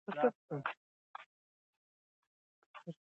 ماشوم باید د لوبو او زده کړې ترمنځ توازن زده کړي.